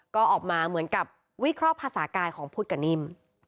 ก็ออกมาเหมือนกับวิเคราะห์ภาษากายของพุทธกับนิ่ม